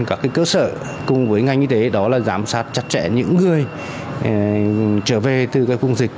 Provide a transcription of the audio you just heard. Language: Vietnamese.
các cơ sở cùng với ngành y tế đó là giám sát chặt chẽ những người trở về từ vùng dịch